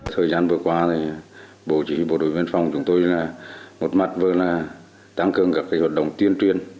thời gian vừa qua bộ chỉ huy bộ đội biên phòng chúng tôi một mặt vừa tăng cường các vận động tuyên truyền